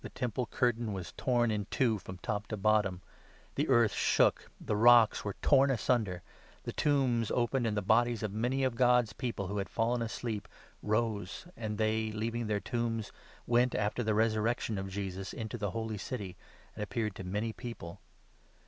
Temple curtain was torn in two from top to bottom, the earth shook, the rocks were torn asunder, the tombs opened, and 52 the bodies of many of God's People who had fallen asleep rose, and they, leaving their tombs, went, after the resurrec 53 tion of Jesus, into the Holy City, and appeared to many people.